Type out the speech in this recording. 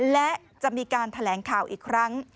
และจะมีการแถลงข่าวอีกครั้ง